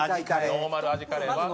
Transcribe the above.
ノーマル味カレーは？